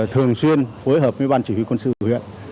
thường xuyên phối hợp với ban chỉ huy quân sư huyện